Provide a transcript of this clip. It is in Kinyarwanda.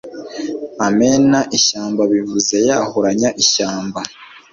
amena ishyamba bivuze yahuranya ishyamba